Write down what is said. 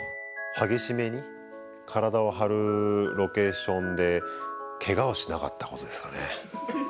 激しめに体を張るロケーションでケガをしなかった事ですかね。